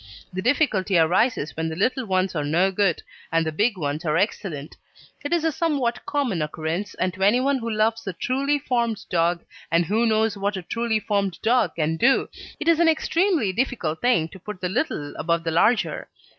The difficulty arises when the little ones are no good, and the big ones are excellent; it is a somewhat common occurrence, and to anyone who loves a truly formed dog, and who knows what a truly formed dog can do, it is an extremely difficult thing to put the little above the larger.